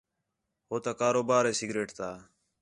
ہو تا کاروبار ہے سگریٹ تا